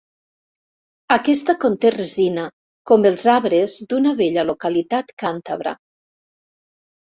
Aquesta conté resina com els arbres d'una bella localitat càntabra.